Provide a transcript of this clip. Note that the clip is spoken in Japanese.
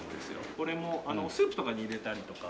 これもスープとかに入れたりとか。